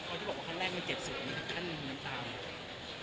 คนที่บอกว่าขั้นแรกมันเจ็บสุดมันค่านนั้นตาม